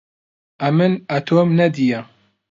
ئەمن ئەتۆم نەدییە